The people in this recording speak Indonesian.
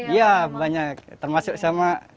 ya banyak termasuk sama